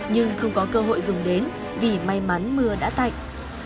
nhưng không có cơ hội dùng đến vì may mắn mưa đã tạnh